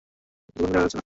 দুর্গন্ধে টেকা যাচ্ছে না।